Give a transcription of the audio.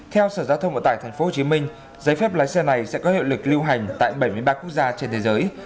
theo sở giao thông vận tải tp hcm giấy phép lái xe này sẽ có hiệu lực lưu hành tại bảy mươi ba quốc gia trên thế giới